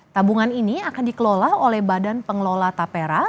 tabungan ini akan dikelola oleh badan pengelola tapera